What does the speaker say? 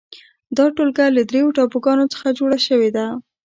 دا ټولګه له درېو ټاپوګانو څخه جوړه شوې ده.